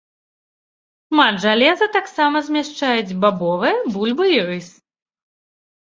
Шмат жалеза таксама змяшчаюць бабовыя, бульба і рыс.